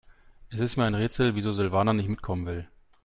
Es ist mir ein Rätsel, wieso Silvana nicht mitkommen will.